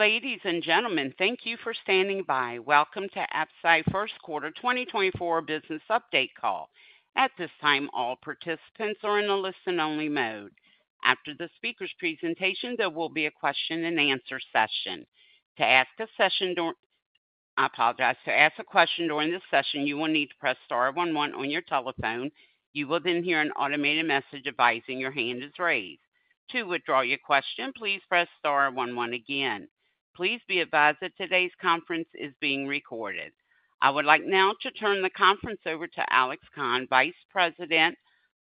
Ladies and gentlemen, thank you for standing by. Welcome to Absci First Quarter 2024 Business Update Call. At this time, all participants are in a listen-only mode. After the speaker's presentation, there will be a question-and-answer session. To ask a question during this session, you will need to press star one one on your telephone. You will then hear an automated message advising your hand is raised. To withdraw your question, please press star one one again. Please be advised that today's conference is being recorded. I would like now to turn the conference over to Alex Khan, Vice President,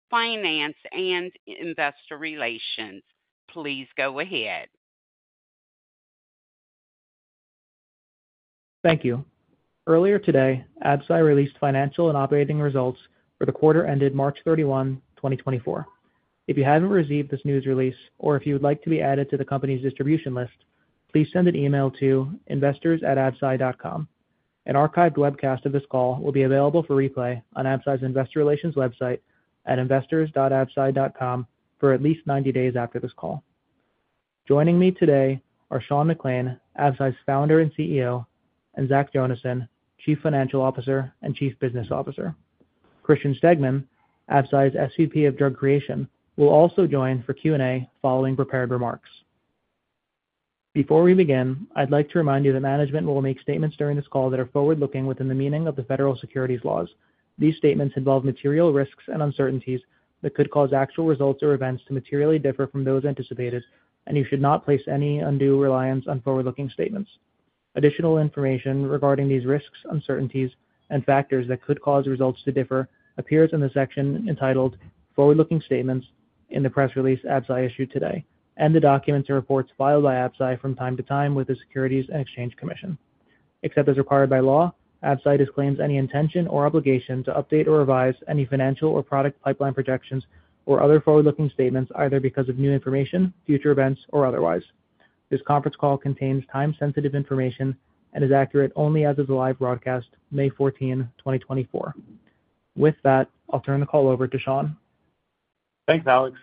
Finance and Investor Relations. Please go ahead. Thank you. Earlier today, Absci released financial and operating results for the quarter ended March 31, 2024. If you haven't received this news release or if you would like to be added to the company's distribution list, please send an email to investors@absci.com. An archived webcast of this call will be available for replay on Absci's Investor Relations website at investors.absci.com for at least 90 days after this call. Joining me today are Sean McClain, Absci's Founder and CEO, and Zach Jonasson, Chief Financial Officer and Chief Business Officer. Christian Stegmann, Absci's SVP of Drug Creation, will also join for Q&A following prepared remarks. Before we begin, I'd like to remind you that management will make statements during this call that are forward-looking within the meaning of the federal securities laws. These statements involve material risks and uncertainties that could cause actual results or events to materially differ from those anticipated, and you should not place any undue reliance on forward-looking statements. Additional information regarding these risks, uncertainties, and factors that could cause results to differ appears in the section entitled Forward-Looking Statements in the press release Absci issued today, and the documents and reports filed by Absci from time to time with the Securities and Exchange Commission. Except as required by law, Absci disclaims any intention or obligation to update or revise any financial or product pipeline projections or other forward-looking statements, either because of new information, future events, or otherwise. This conference call contains time-sensitive information and is accurate only as of the live broadcast, May 14, 2024. With that, I'll turn the call over to Sean. Thanks, Alex.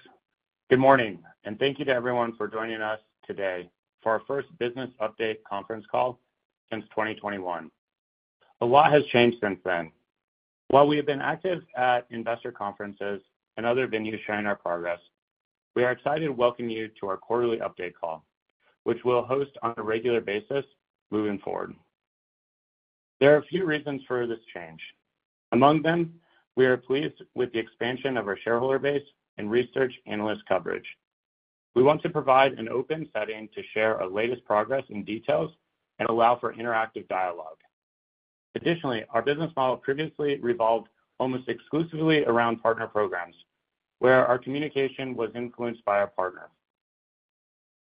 Good morning, and thank you to everyone for joining us today for our first business update conference call since 2021. A lot has changed since then. While we have been active at investor conferences and other venues sharing our progress, we are excited to welcome you to our quarterly update call, which we'll host on a regular basis moving forward. There are a few reasons for this change. Among them, we are pleased with the expansion of our shareholder base and research analyst coverage. We want to provide an open setting to share our latest progress in details and allow for interactive dialogue. Additionally, our business model previously revolved almost exclusively around partner programs, where our communication was influenced by our partner.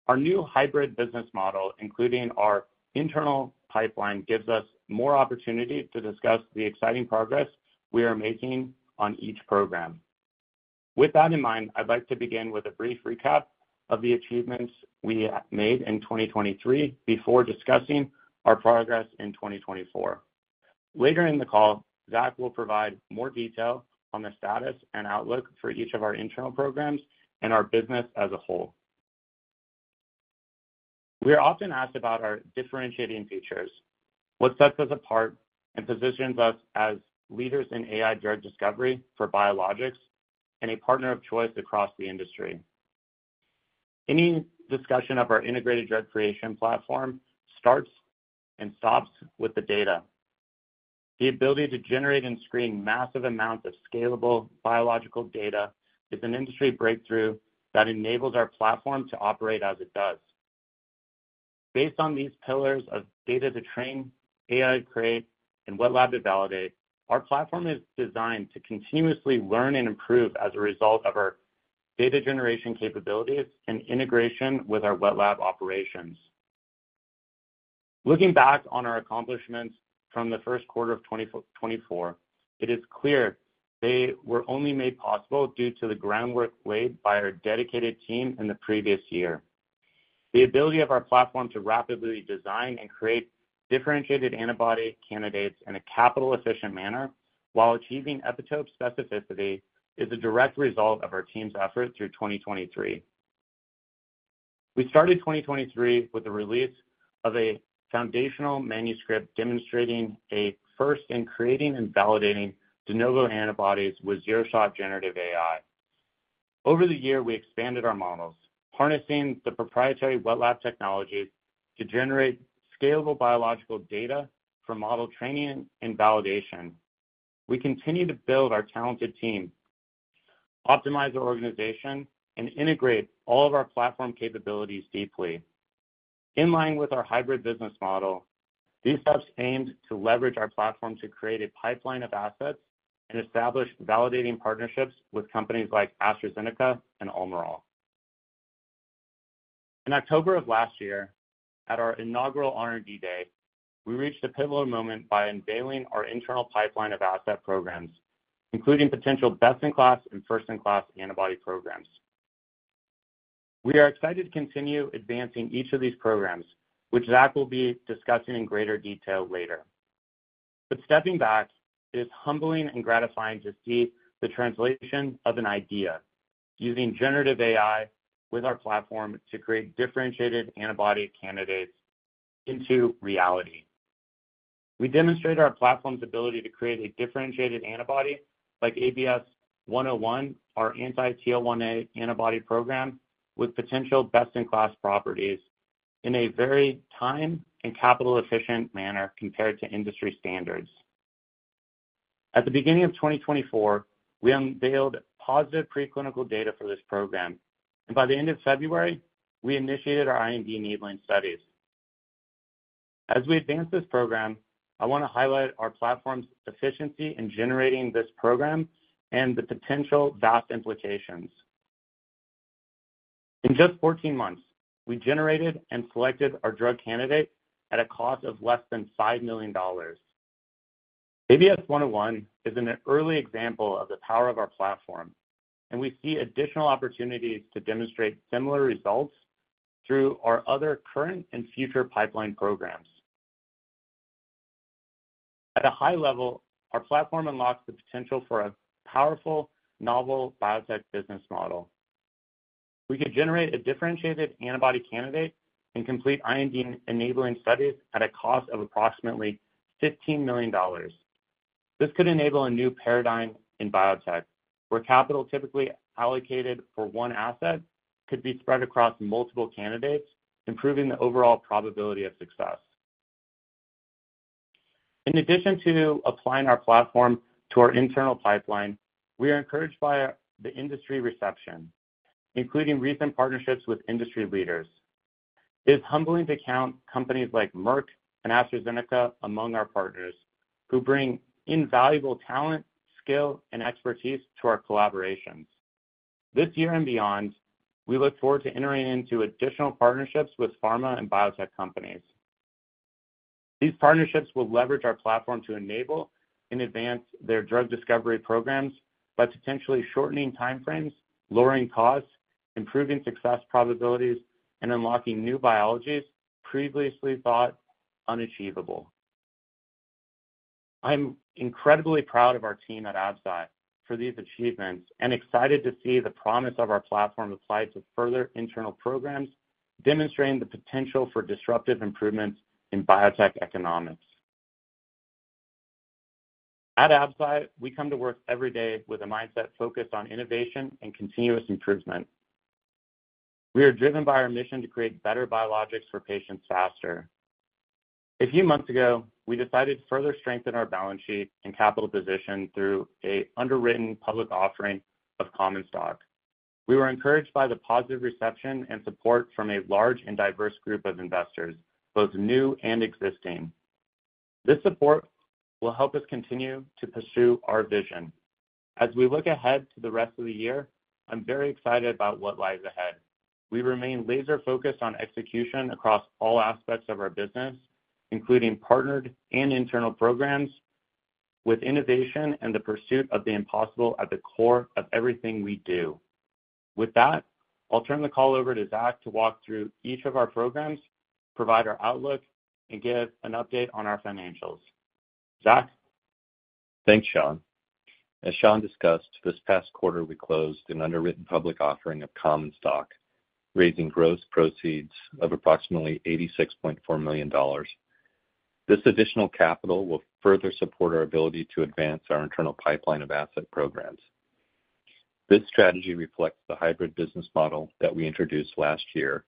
Our new hybrid business model, including our internal pipeline, gives us more opportunity to discuss the exciting progress we are making on each program. With that in mind, I'd like to begin with a brief recap of the achievements we made in 2023 before discussing our progress in 2024. Later in the call, Zach will provide more detail on the status and outlook for each of our internal programs and our business as a whole. We are often asked about our differentiating features, what sets us apart, and positions us as leaders in AI drug discovery for biologics and a partner of choice across the industry. Any discussion of our Integrated Drug Creation Platform starts and stops with the data. The ability to generate and screen massive amounts of scalable biological data is an industry breakthrough that enables our platform to operate as it does. Based on these pillars of data to train, AI to create, and wet lab to validate, our platform is designed to continuously learn and improve as a result of our data generation capabilities and integration with our wet lab operations. Looking back on our accomplishments from the first quarter of 2024, it is clear they were only made possible due to the groundwork laid by our dedicated team in the previous year. The ability of our platform to rapidly design and create differentiated antibody candidates in a capital-efficient manner while achieving epitope specificity, is a direct result of our team's efforts through 2023. We started 2023 with the release of a foundational manuscript demonstrating a first in creating and validating de novo antibodies with zero-shot generative AI. Over the year, we expanded our models, harnessing the proprietary wet lab technologies to generate scalable biological data for model training and validation. We continue to build our talented team, optimize our organization, and integrate all of our platform capabilities deeply. In line with our hybrid business model, these steps aimed to leverage our platform to create a pipeline of assets and establish validating partnerships with companies like AstraZeneca and Almirall. In October of last year, at our inaugural R&D Day, we reached a pivotal moment by unveiling our internal pipeline of asset programs, including potential best-in-class and first-in-class antibody programs. We are excited to continue advancing each of these programs, which Zach will be discussing in greater detail later. But stepping back, it is humbling and gratifying to see the translation of an idea, using generative AI with our platform to create differentiated antibody candidates into reality. We demonstrated our platform's ability to create a differentiated antibody like ABS-101, our anti-TL1A antibody program, with potential best-in-class properties, in a very time and capital-efficient manner compared to industry standards. At the beginning of 2024, we unveiled positive preclinical data for this program, and by the end of February, we initiated our IND enabling studies. As we advance this program, I want to highlight our platform's efficiency in generating this program and the potential vast implications. In just 14 months, we generated and selected our drug candidate at a cost of less than $5 million. ABS-101 is an early example of the power of our platform, and we see additional opportunities to demonstrate similar results through our other current and future pipeline programs. At a high level, our platform unlocks the potential for a powerful, novel biotech business model. We could generate a differentiated antibody candidate and complete IND-enabling studies at a cost of approximately $15 million. This could enable a new paradigm in biotech, where capital typically allocated for one asset could be spread across multiple candidates, improving the overall probability of success. In addition to applying our platform to our internal pipeline, we are encouraged by the industry reception, including recent partnerships with industry leaders. It is humbling to count companies like Merck and AstraZeneca among our partners, who bring invaluable talent, skill, and expertise to our collaborations. This year and beyond, we look forward to entering into additional partnerships with pharma and biotech companies. These partnerships will leverage our platform to enable and advance their drug discovery programs by potentially shortening time frames, lowering costs, improving success probabilities, and unlocking new biologies previously thought unachievable. I'm incredibly proud of our team at Absci for these achievements and excited to see the promise of our platform applied to further internal programs, demonstrating the potential for disruptive improvements in biotech economics. At Absci, we come to work every day with a mindset focused on innovation and continuous improvement. We are driven by our mission to create better biologics for patients faster. A few months ago, we decided to further strengthen our balance sheet and capital position through an underwritten public offering of common stock. We were encouraged by the positive reception and support from a large and diverse group of investors, both new and existing. This support will help us continue to pursue our vision. As we look ahead to the rest of the year, I'm very excited about what lies ahead. We remain laser-focused on execution across all aspects of our business, including partnered and internal programs, with innovation and the pursuit of the impossible at the core of everything we do. With that, I'll turn the call over to Zach to walk through each of our programs, provide our outlook, and give an update on our financials. Zach? Thanks, Sean. As Sean discussed, this past quarter, we closed an underwritten public offering of common stock, raising gross proceeds of approximately $86.4 million. This additional capital will further support our ability to advance our internal pipeline of asset programs. This strategy reflects the hybrid business model that we introduced last year,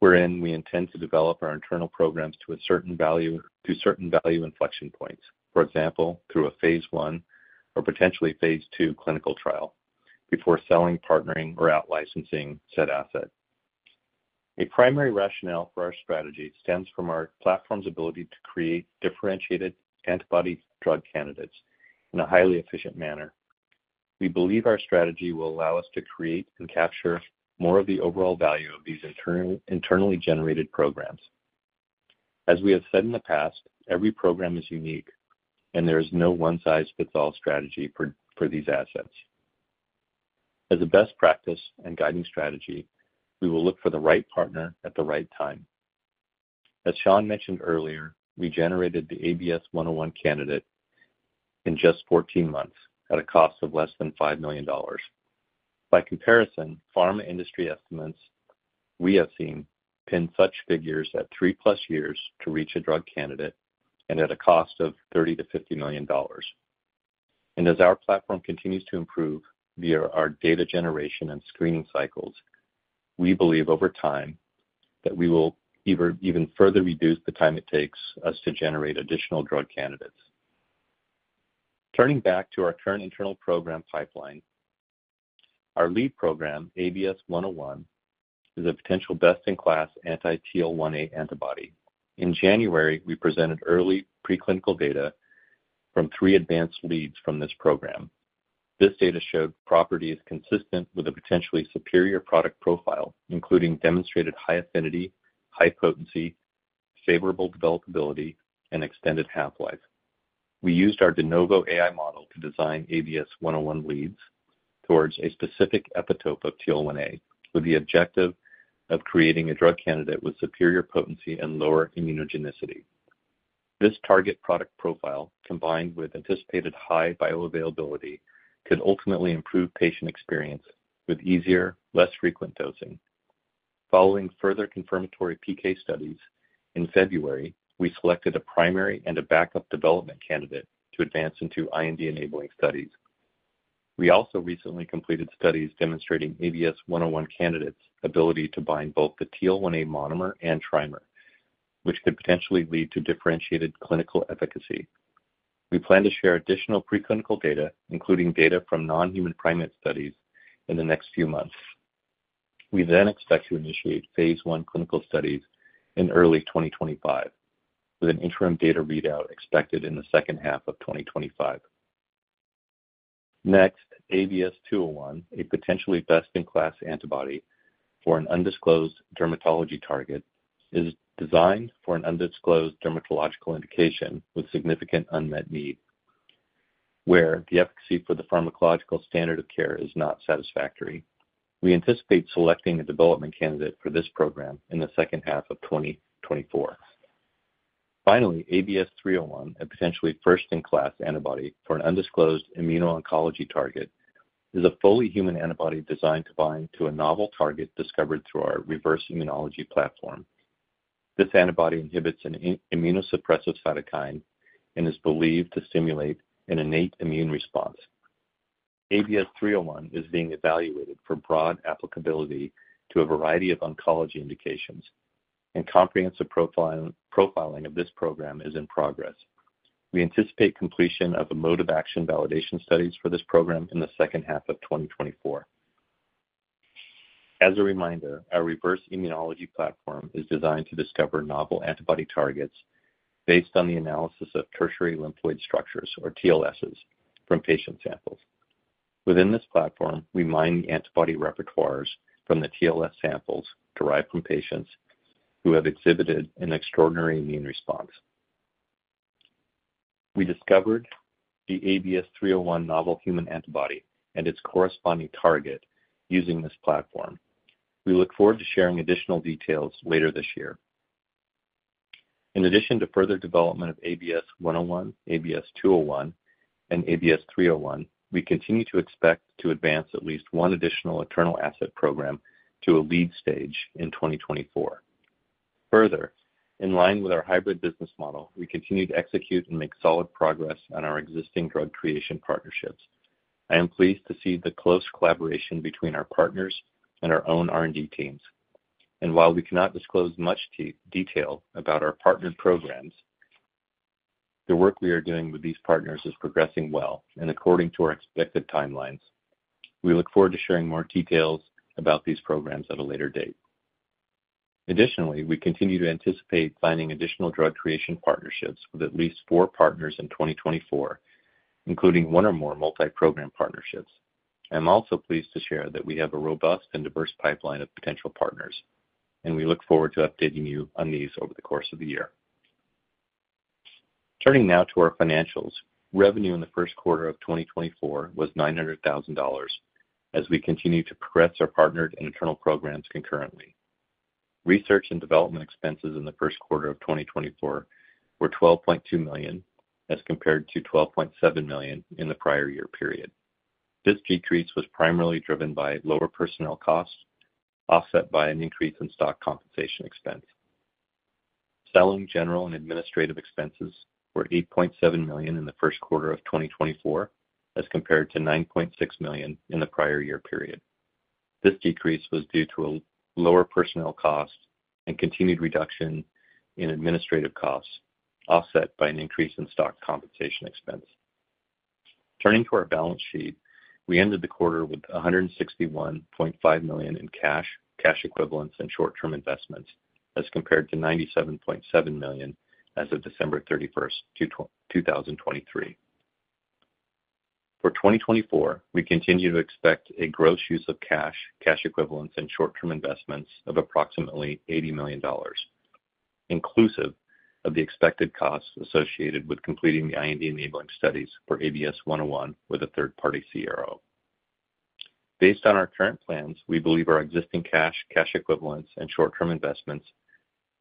wherein we intend to develop our internal programs to a certain value through certain value inflection points, for example, through a phase I or potentially phase II clinical trial, before selling, partnering, or out-licensing said asset. A primary rationale for our strategy stems from our platform's ability to create differentiated antibody drug candidates in a highly efficient manner. We believe our strategy will allow us to create and capture more of the overall value of these internally generated programs. As we have said in the past, every program is unique, and there is no one-size-fits-all strategy for these assets. As a best practice and guiding strategy, we will look for the right partner at the right time. As Sean mentioned earlier, we generated the ABS-101 candidate in just 14 months at a cost of less than $5 million. By comparison, pharma industry estimates we have seen peg such figures at 3+ years to reach a drug candidate and at a cost of $30 million-$50 million. As our platform continues to improve via our data generation and screening cycles, we believe over time that we will even further reduce the time it takes us to generate additional drug candidates. Turning back to our current internal program pipeline, our lead program, ABS-101, is a potential best-in-class anti-TL1A antibody. In January, we presented early preclinical data from three advanced leads from this program. This data showed properties consistent with a potentially superior product profile, including demonstrated high affinity, high potency, favorable developability, and extended half-life. We used our de novo AI model to design ABS-101 leads … towards a specific epitope of TL1A, with the objective of creating a drug candidate with superior potency and lower immunogenicity. This target product profile, combined with anticipated high bioavailability, could ultimately improve patient experience with easier, less frequent dosing. Following further confirmatory PK studies, in February, we selected a primary and a backup development candidate to advance into IND-enabling studies. We also recently completed studies demonstrating ABS-101 candidate's ability to bind both the TL1A monomer and trimer, which could potentially lead to differentiated clinical efficacy. We plan to share additional preclinical data, including data from non-human primate studies, in the next few months. We then expect to initiate phase I clinical studies in early 2025, with an interim data readout expected in the second half of 2025. Next, ABS-201, a potentially best-in-class antibody for an undisclosed dermatology target, is designed for an undisclosed dermatological indication with significant unmet need, where the efficacy for the pharmacological standard of care is not satisfactory. We anticipate selecting a development candidate for this program in the second half of 2024. Finally, ABS-301, a potentially first-in-class antibody for an undisclosed immuno-oncology target, is a fully human antibody designed to bind to a novel target discovered through our Reverse Immunology platform. This antibody inhibits an immunosuppressive cytokine and is believed to stimulate an innate immune response. ABS-301 is being evaluated for broad applicability to a variety of oncology indications, and comprehensive profiling of this program is in progress. We anticipate completion of the mode-of-action validation studies for this program in the second half of 2024. As a reminder, our Reverse Immunology platform is designed to discover novel antibody targets based on the analysis of tertiary lymphoid structures, or TLSs, from patient samples. Within this platform, we mine the antibody repertoires from the TLS samples derived from patients who have exhibited an extraordinary immune response. We discovered the ABS-301 novel human antibody and its corresponding target using this platform. We look forward to sharing additional details later this year. In addition to further development of ABS-101, ABS-201, and ABS-301, we continue to expect to advance at least one additional internal asset program to a lead stage in 2024. Further, in line with our hybrid business model, we continue to execute and make solid progress on our existing drug creation partnerships. I am pleased to see the close collaboration between our partners and our own R&D teams. While we cannot disclose much detail about our partnered programs, the work we are doing with these partners is progressing well and according to our expected timelines. We look forward to sharing more details about these programs at a later date. Additionally, we continue to anticipate planning additional drug creation partnerships with at least four partners in 2024, including one or more multi-program partnerships. I'm also pleased to share that we have a robust and diverse pipeline of potential partners, and we look forward to updating you on these over the course of the year. Turning now to our financials. Revenue in the first quarter of 2024 was $900,000, as we continue to progress our partnered and internal programs concurrently. Research and development expenses in the first quarter of 2024 were $12.2 million, as compared to $12.7 million in the prior year period. This decrease was primarily driven by lower personnel costs, offset by an increase in stock compensation expense. Selling, general, and administrative expenses were $8.7 million in the first quarter of 2024, as compared to $9.6 million in the prior year period. This decrease was due to a lower personnel cost and continued reduction in administrative costs, offset by an increase in stock compensation expense. Turning to our balance sheet, we ended the quarter with $161.5 million in cash, cash equivalents, and short-term investments, as compared to $97.7 million as of December 31st, 2023. For 2024, we continue to expect a gross use of cash, cash equivalents, and short-term investments of approximately $80 million, inclusive of the expected costs associated with completing the IND-enabling studies for ABS-101 with a third-party CRO. Based on our current plans, we believe our existing cash, cash equivalents, and short-term investments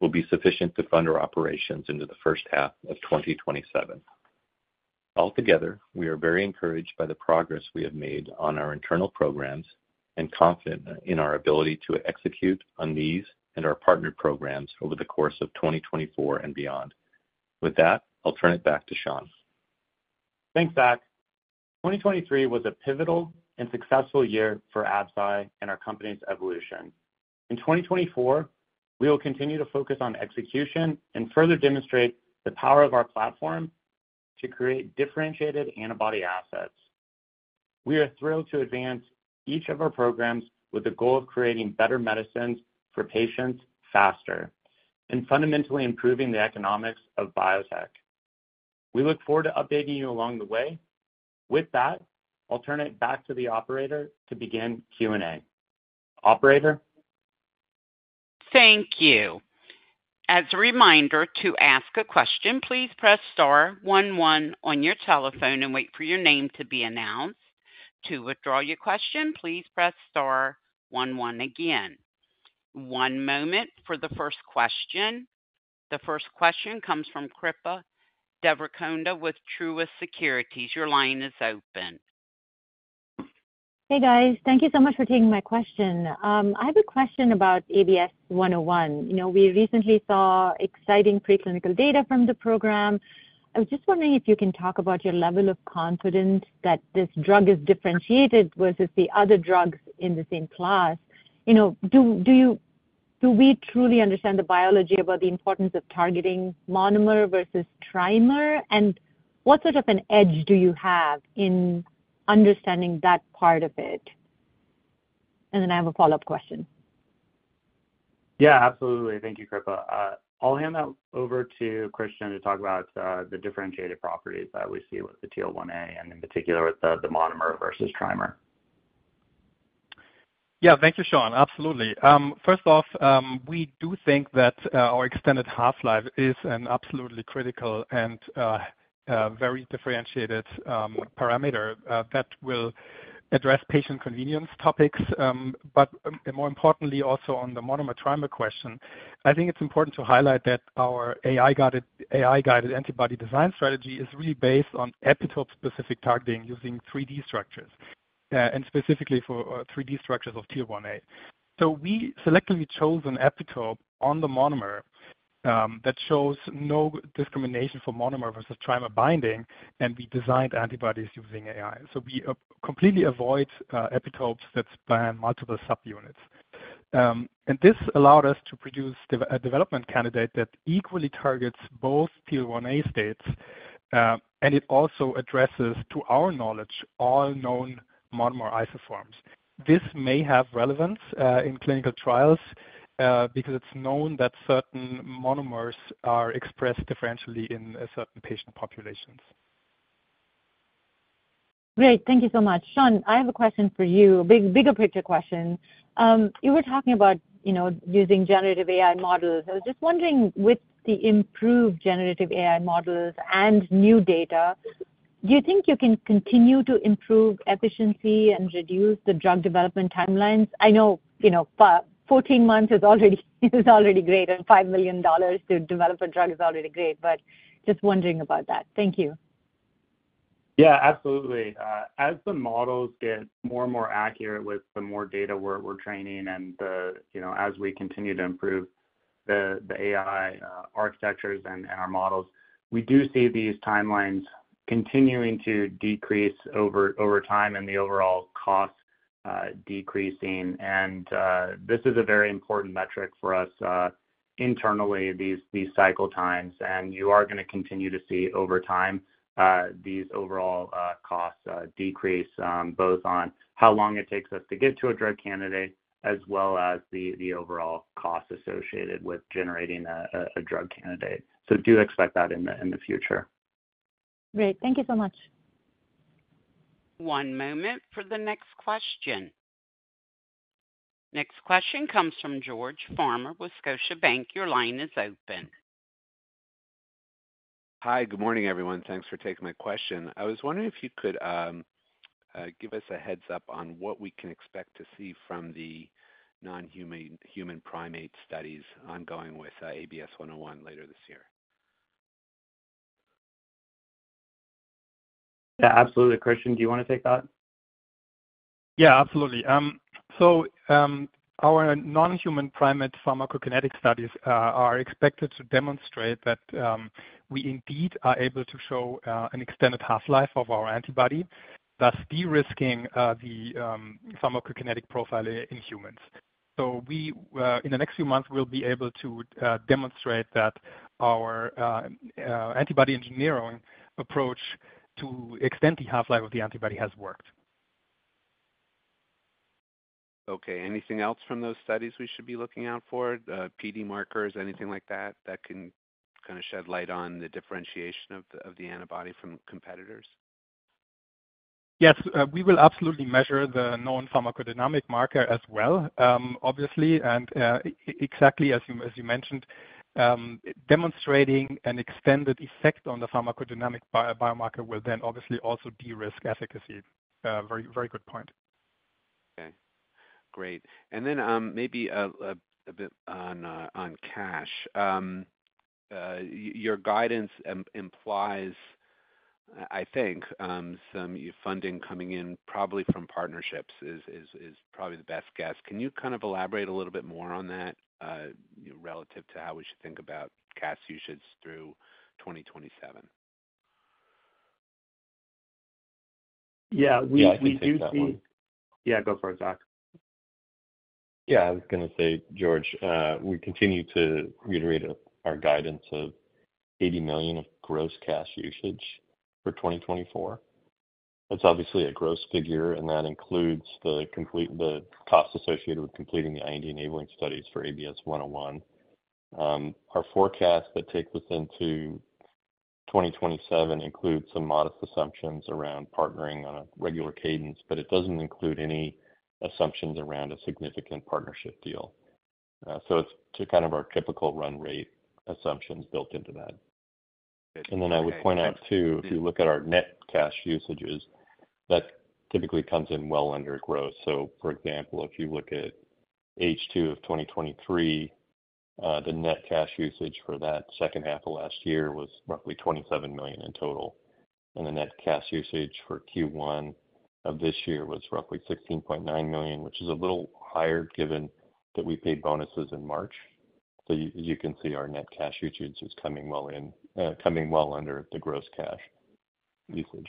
will be sufficient to fund our operations into the first half of 2027. Altogether, we are very encouraged by the progress we have made on our internal programs and confident in our ability to execute on these and our partner programs over the course of 2024 and beyond. With that, I'll turn it back to Sean. Thanks, Zach. 2023 was a pivotal and successful year for Absci and our company's evolution. In 2024, we will continue to focus on execution and further demonstrate the power of our platform to create differentiated antibody assets. We are thrilled to advance each of our programs with the goal of creating better medicines for patients faster and fundamentally improving the economics of biotech. We look forward to updating you along the way. With that, I'll turn it back to the operator to begin Q&A. Operator?... Thank you. As a reminder, to ask a question, please press star one one on your telephone and wait for your name to be announced. To withdraw your question, please press star one one again. One moment for the first question. The first question comes from Kripa Devarakonda with Truist Securities. Your line is open. Hey, guys. Thank you so much for taking my question. I have a question about ABS-101. You know, we recently saw exciting preclinical data from the program. I was just wondering if you can talk about your level of confidence that this drug is differentiated versus the other drugs in the same class. You know, do we truly understand the biology about the importance of targeting monomer versus trimer? And what sort of an edge do you have in understanding that part of it? And then I have a follow-up question. Yeah, absolutely. Thank you, Kripa. I'll hand that over to Christian to talk about the differentiated properties that we see with the TL1A, and in particular, with the monomer versus trimer. Yeah. Thank you, Sean. Absolutely. First off, we do think that our extended half-life is an absolutely critical and very differentiated parameter that will address patient convenience topics. But and more importantly, also on the monomer trimer question, I think it's important to highlight that our AI-guided antibody design strategy is really based on epitope-specific targeting using 3D structures, and specifically for 3D structures of TL1A. So we selectively chose an epitope on the monomer that shows no discrimination for monomer versus trimer binding, and we designed antibodies using AI. So we completely avoid epitopes that span multiple subunits. And this allowed us to produce a development candidate that equally targets both TL1A states, and it also addresses, to our knowledge, all known monomer isoforms. This may have relevance in clinical trials because it's known that certain monomers are expressed differentially in certain patient populations. Great. Thank you so much. Sean, I have a question for you, a big, bigger picture question. You were talking about, you know, using generative AI models. I was just wondering, with the improved generative AI models and new data, do you think you can continue to improve efficiency and reduce the drug development timelines? I know, you know, 14 months is already, is already great, and $5 million to develop a drug is already great, but just wondering about that. Thank you. Yeah, absolutely. As the models get more and more accurate with the more data we're training and the... You know, as we continue to improve the AI architectures and our models, we do see these timelines continuing to decrease over time and the overall cost decreasing. And this is a very important metric for us internally, these cycle times, and you are gonna continue to see over time these overall costs decrease, both on how long it takes us to get to a drug candidate, as well as the overall costs associated with generating a drug candidate. So do expect that in the future. Great. Thank you so much. One moment for the next question. Next question comes from George Farmer with Scotiabank. Your line is open. Hi, good morning, everyone. Thanks for taking my question. I was wondering if you could give us a heads-up on what we can expect to see from the non-human, human primate studies ongoing with ABS-101 later this year? Yeah, absolutely. Christian, do you want to take that? Yeah, absolutely. So, our non-human primate pharmacokinetic studies are expected to demonstrate that we indeed are able to show an extended half-life of our antibody, thus de-risking the pharmacokinetic profile in humans. So we, in the next few months, we'll be able to demonstrate that our antibody engineering approach to extend the half-life of the antibody has worked. Okay. Anything else from those studies we should be looking out for? PD markers, anything like that, that can kind of shed light on the differentiation of the, of the antibody from competitors? Yes, we will absolutely measure the known pharmacodynamic marker as well, obviously, and exactly as you, as you mentioned, demonstrating an extended effect on the pharmacodynamic biomarker will then obviously also de-risk efficacy. Very, very good point. Okay, great. And then, maybe a bit on cash. Your guidance implies, I think, some funding coming in, probably from partnerships is probably the best guess. Can you kind of elaborate a little bit more on that, relative to how we should think about cash usages through 2027? Yeah, we- Yeah, I can take that one. We do see... Yeah, go for it, Zach. Yeah, I was going to say, George, we continue to reiterate our guidance of $80 million of gross cash usage for 2024. That's obviously a gross figure, and that includes the costs associated with completing the IND enabling studies for ABS-101. Our forecast that takes us into 2027 includes some modest assumptions around partnering on a regular cadence, but it doesn't include any assumptions around a significant partnership deal. So it's kind of our typical run rate assumptions built into that. And then I would point out, too, if you look at our net cash usages, that typically comes in well under gross. So for example, if you look at H2 of 2023, the net cash usage for that second half of last year was roughly $27 million in total, and the net cash usage for Q1 of this year was roughly $16.9 million, which is a little higher given that we paid bonuses in March. So as you can see, our net cash usage is coming well in, coming well under the gross cash usage.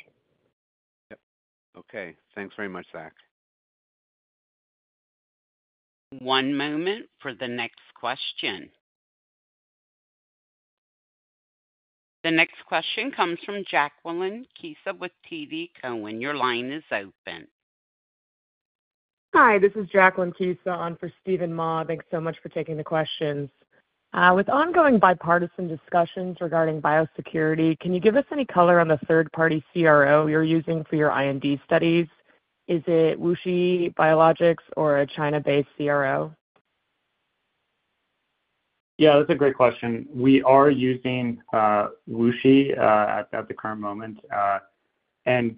Yep. Okay. Thanks very much, Zach. One moment for the next question. The next question comes from Jacqueline Kisa with TD Cowen. Your line is open. Hi, this is Jacqueline Kisa on for Steven Mah. Thanks so much for taking the questions. With ongoing bipartisan discussions regarding biosecurity, can you give us any color on the third-party CRO you're using for your IND studies? Is it WuXi Biologics or a China-based CRO? Yeah, that's a great question. We are using WuXi at the current moment.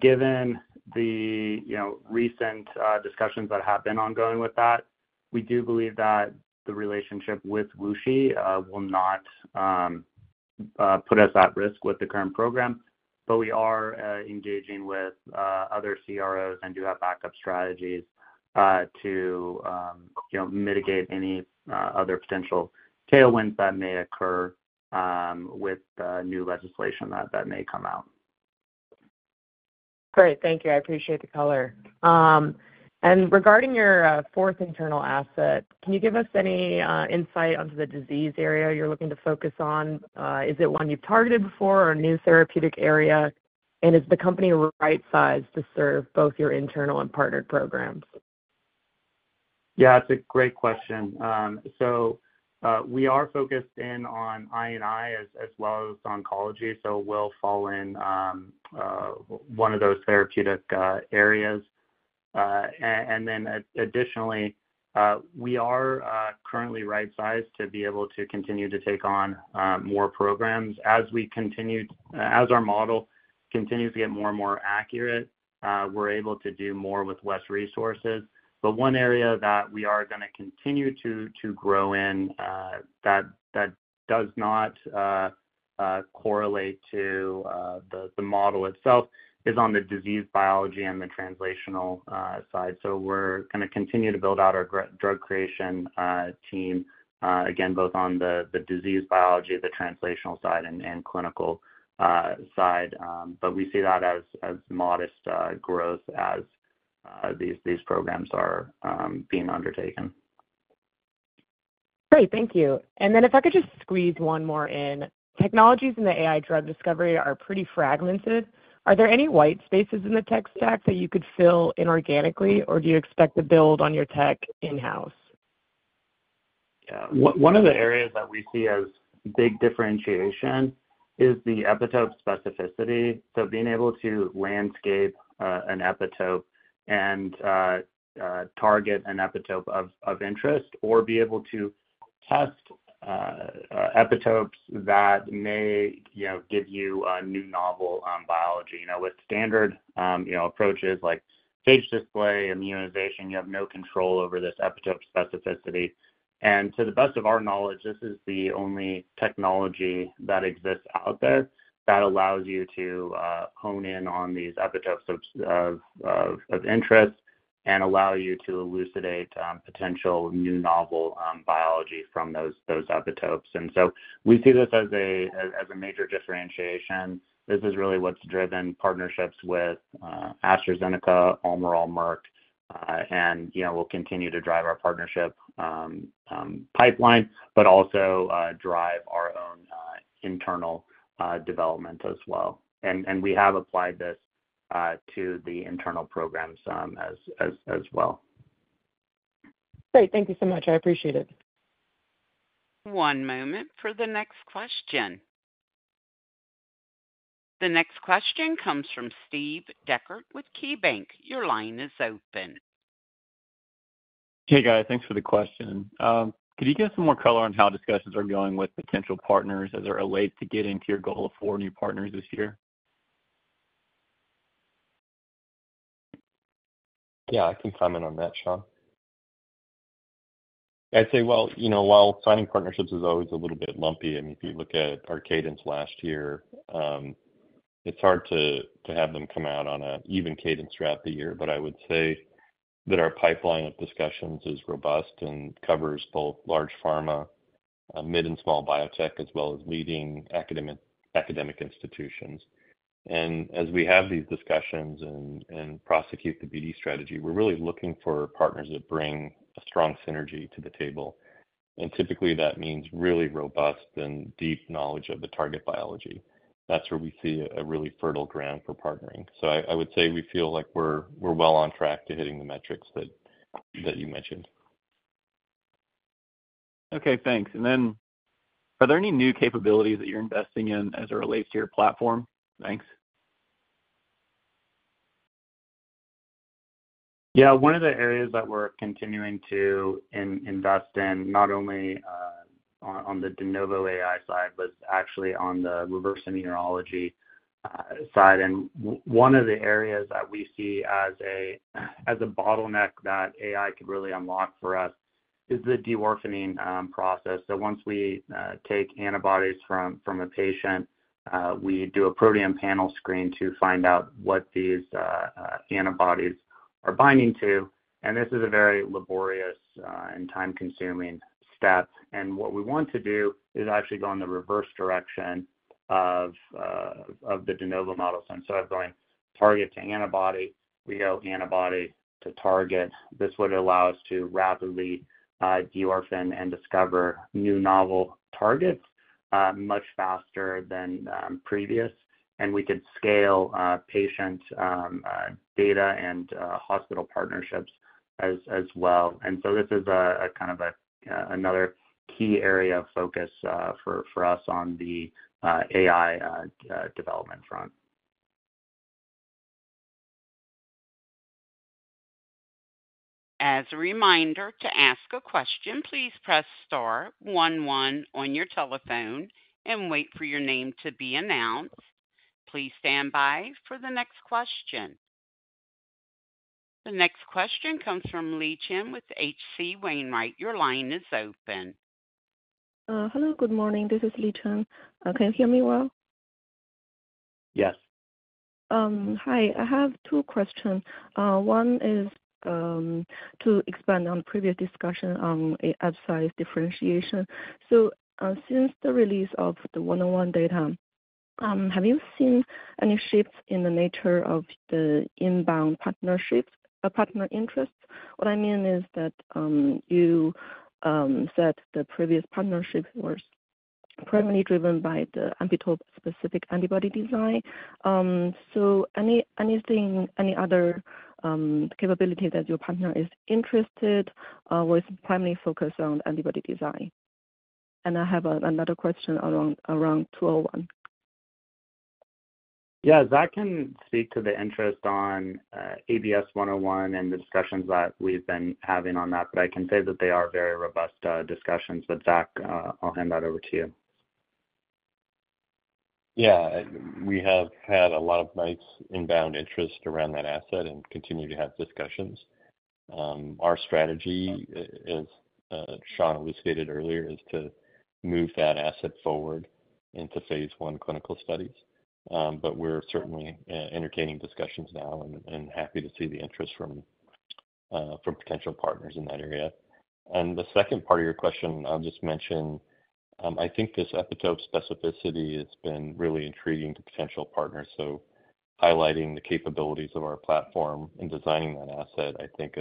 Given the, you know, recent discussions that have been ongoing with that, we do believe that the relationship with WuXi will not put us at risk with the current program. But we are engaging with other CROs and do have backup strategies to, you know, mitigate any other potential tailwinds that may occur with the new legislation that may come out. Great. Thank you. I appreciate the color. Regarding your fourth internal asset, can you give us any insight onto the disease area you're looking to focus on? Is it one you've targeted before or a new therapeutic area? Is the company right-sized to serve both your internal and partnered programs? Yeah, it's a great question. So we are focused in on I&I as well as oncology, so we'll fall in one of those therapeutic areas. And then additionally, we are currently right-sized to be able to continue to take on more programs. As we continue—as our model continues to get more and more accurate, we're able to do more with less resources. But one area that we are going to continue to grow in that does not correlate to the model itself is on the disease biology and the translational side. So we're going to continue to build out our drug creation team again, both on the disease biology, the translational side and clinical side. But we see that as modest growth as these programs are being undertaken. Great, thank you. And then if I could just squeeze one more in. Technologies in the AI drug discovery are pretty fragmented. Are there any white spaces in the tech stack that you could fill inorganically, or do you expect to build on your tech in-house? Yeah. One of the areas that we see as big differentiation is the epitope specificity. So being able to landscape an epitope and target an epitope of interest or be able to test epitopes that may, you know, give you a new novel biology. You know, with standard, you know, approaches like phage display, immunization, you have no control over this epitope specificity. And to the best of our knowledge, this is the only technology that exists out there that allows you to hone in on these epitopes of interest and allow you to elucidate potential new novel biology from those epitopes. And so we see this as a major differentiation. This is really what's driven partnerships with AstraZeneca, Almirall, Merck, and, you know, will continue to drive our partnership pipeline, but also drive our own internal development as well. And we have applied this to the internal programs as well. Great. Thank you so much. I appreciate it. One moment for the next question. The next question comes from Steve Dechert with KeyBanc. Your line is open. Hey, guys, thanks for the question. Could you give some more color on how discussions are going with potential partners as they're late to getting to your goal of four new partners this year? Yeah, I can comment on that, Sean. I'd say, well, you know, while signing partnerships is always a little bit lumpy, and if you look at our cadence last year, it's hard to have them come out on an even cadence throughout the year. But I would say that our pipeline of discussions is robust and covers both large pharma, mid and small biotech, as well as leading academic institutions. And as we have these discussions and prosecute the BD strategy, we're really looking for partners that bring a strong synergy to the table. And typically, that means really robust and deep knowledge of the target biology. That's where we see a really fertile ground for partnering. So I would say we feel like we're well on track to hitting the metrics that you mentioned.... Okay, thanks. And then are there any new capabilities that you're investing in as it relates to your platform? Thanks. Yeah. One of the areas that we're continuing to invest in, not only on the de novo AI side, but actually on the reverse immunology side. And one of the areas that we see as a bottleneck that AI could really unlock for us is the de-orphaning process. So once we take antibodies from a patient, we do a proteome panel screen to find out what these antibodies are binding to, and this is a very laborious and time-consuming step. And what we want to do is actually go in the reverse direction of the de novo model. Instead of going target to antibody, we go antibody to target. This would allow us to rapidly de-orphan and discover new novel targets much faster than previous. We could scale patient data and hospital partnerships as well. This is a kind of another key area of focus for us on the AI development front. As a reminder, to ask a question, please press star one one on your telephone and wait for your name to be announced. Please stand by for the next question. The next question comes from Li Chen with H.C. Wainwright. Your line is open. Hello, good morning. This is Li Chen. Can you hear me well? Yes. Hi, I have two questions. One is to expand on previous discussion on Absci's differentiation. So, since the release of the 101 data, have you seen any shifts in the nature of the inbound partnerships or partner interest? What I mean is that you said the previous partnerships were primarily driven by the epitope-specific antibody design. So any other capability that your partner is interested with primary focus on antibody design? And I have another question around 201. Yeah. Zach can speak to the interest on ABS-101 and the discussions that we've been having on that, but I can say that they are very robust discussions. But Zach, I'll hand that over to you. Yeah. We have had a lot of nice inbound interest around that asset and continue to have discussions. Our strategy, as Sean stated earlier, is to move that asset forward into phase I clinical studies. But we're certainly entertaining discussions now and happy to see the interest from potential partners in that area. And the second part of your question, I'll just mention, I think this epitope specificity has been really intriguing to potential partners. So highlighting the capabilities of our platform in designing that asset, I think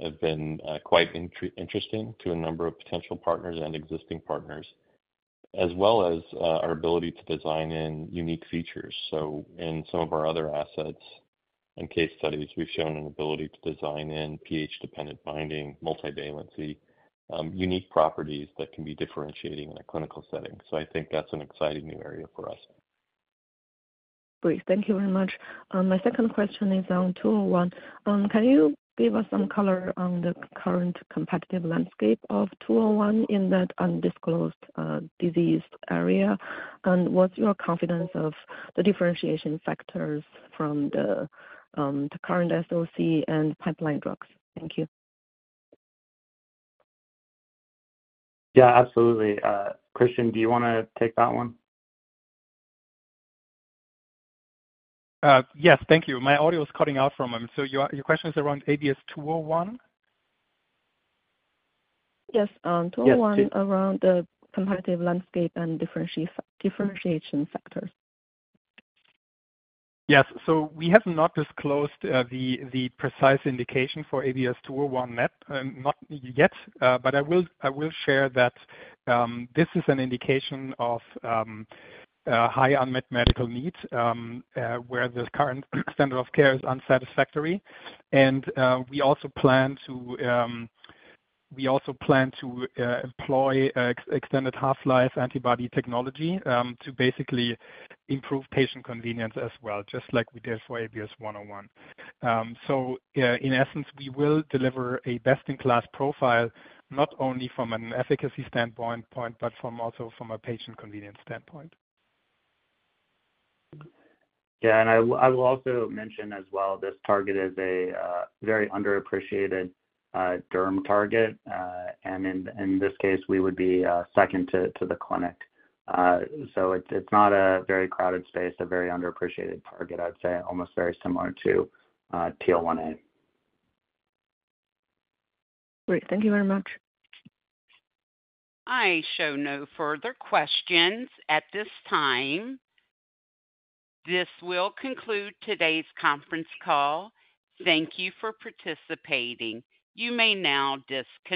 have been quite intriguing to a number of potential partners and existing partners, as well as our ability to design in unique features. So in some of our other assets and case studies, we've shown an ability to design in pH-dependent binding, multivalency, unique properties that can be differentiating in a clinical setting. So I think that's an exciting new area for us. Great. Thank you very much. My second question is on 201. Can you give us some color on the current competitive landscape of 201 in that undisclosed disease area? And what's your confidence of the differentiation factors from the current SOC and pipeline drugs? Thank you. Yeah, absolutely. Christian, do you wanna take that one? Yes, thank you. My audio is cutting out from him. So your question is around ABS-201? Yes, 201- Yes, please. -around the competitive landscape and differentiation factors. Yes. So we have not disclosed the precise indication for ABS-201 yet. But I will share that this is an indication of high unmet medical needs where the current standard of care is unsatisfactory. And we also plan to employ extended half-life antibody technology to basically improve patient convenience as well, just like we did for ABS-101. So in essence, we will deliver a best-in-class profile, not only from an efficacy standpoint, but also from a patient convenience standpoint. Yeah, and I will, I will also mention as well, this target is a very underappreciated derm target. And in this case, we would be second to the clinic. So it's not a very crowded space, a very underappreciated target, I'd say, almost very similar to TL1A. Great. Thank you very much. I show no further questions at this time. This will conclude today's conference call. Thank you for participating. You may now disconnect.